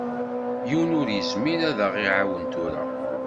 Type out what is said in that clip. Yiwen ur izmir ad ɣ-iɛawen tura.